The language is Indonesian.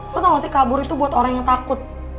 lo tau gak sih kabur itu buat orang yang takut